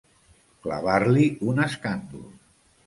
Clavar-li un escàndol.